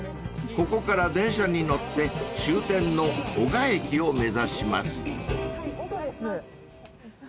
［ここから電車に乗って終点の男鹿駅を目指します］